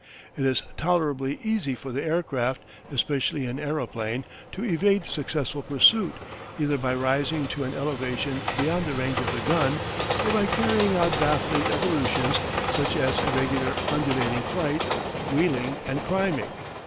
It is tolerably easy for the aircraft, especially an aeroplane, to evade successful pursuit, either by rising to an elevation beyond the range of the gun, or by carrying out baffling evolutions such as irregular undulating flight, wheeling, and climbing.